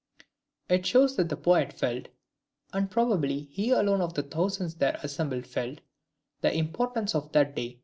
It shows that the poet felt (and, probably, he alone of the thousands there assembled felt) the full importance of that day.